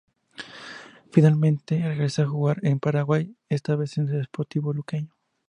Finalmente regresa a jugar en Paraguay, esta vez en Sportivo Luqueño.